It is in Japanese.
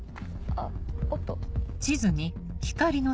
あっおっと。